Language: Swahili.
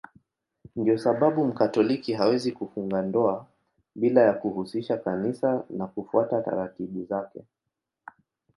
Ndiyo sababu Mkatoliki hawezi kufunga ndoa bila ya kuhusisha Kanisa na kufuata taratibu zake.